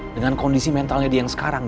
dengan kondisi mentalnya dia yang sekarang